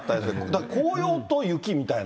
だから紅葉と雪みたいな。